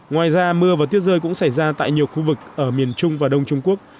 ngoài ra mưa và tuyết rơi cũng xảy ra tại nhiều khu vực ở miền trung và đông trung quốc